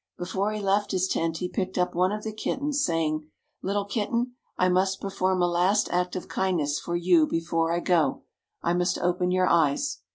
Before he left his tent, he picked up one of the kittens, saying: "Little kitten, I must perform a last act of kindness for you before I go. I must open your eyes."